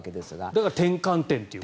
だから転換点と。